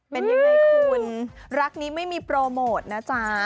เป็นยังไงคุณรักนี้ไม่มีโปรโมทนะจ๊ะ